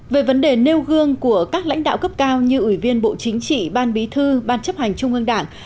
về vấn đề nêu gương của các lãnh đạo cấp cao như ủy viên bộ chính trị ban bí thư ban chấp hành trung ương đảng